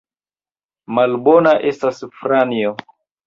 Malbona estas Franjo!